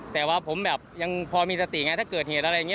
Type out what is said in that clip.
แต่ว่าผมแบบยังพอมีสติไงถ้าเกิดเหตุอะไรอย่างนี้